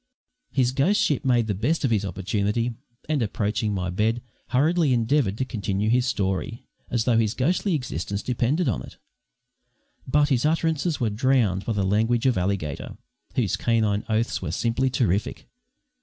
His ghostship made the best of his opportunity, and, approaching my bed, hurriedly endeavoured to continue his story, as though his ghostly existence depended on it. But his utterances were drowned by the language of Alligator, whose canine oaths were simply terrific.